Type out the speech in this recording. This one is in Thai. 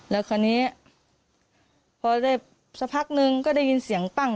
และคราวนี้ครั้วได้สัปดาษนึงก็ได้ยินเสียงปั้้ง